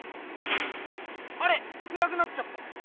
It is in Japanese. あれ⁉くらくなっちゃった。